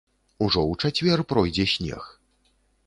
Ужо ў чацвер пройдзе снег.